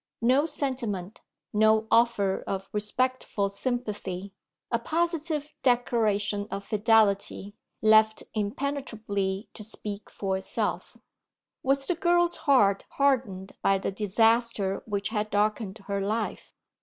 No sentiment, no offer of respectful sympathy; a positive declaration of fidelity, left impenetrably to speak for itself. Was the girl's heart hardened by the disaster which had darkened her life?